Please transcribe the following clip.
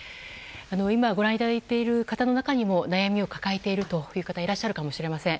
今、ご覧いただいている方の中にも悩みを抱えているという方いらっしゃるかもしれません。